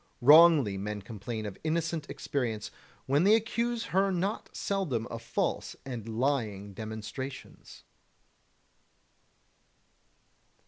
Wrongly men complain of innocent experience, when they accuse her not seldom of false and lying demonstrations.